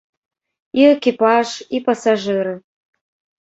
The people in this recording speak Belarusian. І экіпаж, і пасажыры.